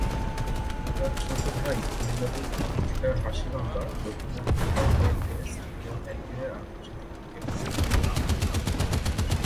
তার ছোট ভাই কিংবদন্তি ক্রিকেটার হাশিম আমলা দক্ষিণ আফ্রিকার হয়ে টেস্ট এবং একদিনের আন্তর্জাতিক ক্রিকেট খেলে থাকেন।